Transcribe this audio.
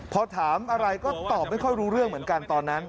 พอถามอะไรก็ตอบไม่ค่อยรู้เรื่องเหมือนกันตอนนั้น